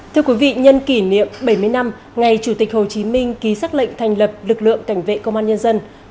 thưa quý vị nhân kỷ niệm bảy mươi năm ngày chủ tịch hồ chí minh ký xác lệnh thành lập lực lượng cảnh vệ công an nhân dân